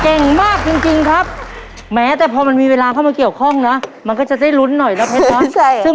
เก่งมากจริงจริงครับแม๋แต่พอมันมีเวลาเข้ามาเกี่ยวข้องนะมันก็จะได้รุ้นหน่อยแล้ว